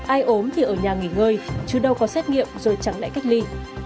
ai ốm thì ở nhà nghỉ ngơi chứ đâu có xét nghiệm rồi chẳng lại cách ly